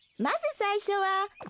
まず最初は。